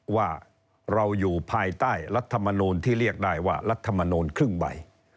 ว่าเราอยู่ภายใต้รัฐมนูลที่เรียกได้ว่ารัฐมนูลครึ่งใบ